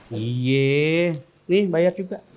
biar bu yang bayar juga